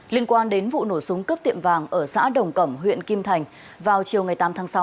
liên quan đến vụ nổ súng cướp tiệm vàng ở xã đồng cẩm huyện kim thành vào chiều ngày tám tháng sáu